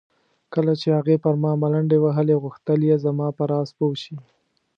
کله چې هغې پر ما ملنډې وهلې غوښتل یې زما په راز پوه شي.